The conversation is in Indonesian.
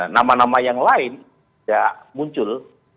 nama nama yang lain tidak muncul